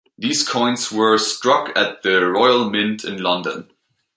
These coins were struck at the Royal Mint in London.